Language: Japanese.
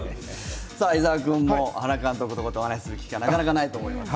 伊沢君も原監督とお話する機会はなかなかないと思いますが？